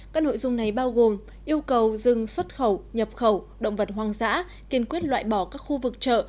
các nội dung này bao gồm yêu cầu dừng xuất khẩu nhập khẩu động vật hoang dã kiên quyết loại bỏ các khu vực chợ